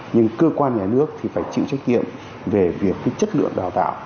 nhưng cơ quan nhà nước thì phải chịu trách nhiệm về việc cái chất lượng đào tạo